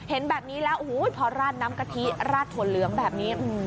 เห็นแบบนี้แล้วโอ้โหพอราดน้ำกะทิราดถั่วเหลืองแบบนี้